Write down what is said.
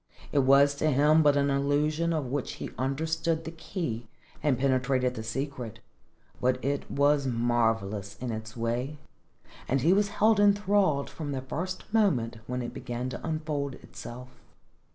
It was to him an illusion of which he understood the key and penetrated the secret, but it was marvellous in its way, and he was held enthralled from the first moment when it began to unfold itself.